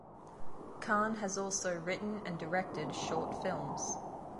Khan has also written and directed short films.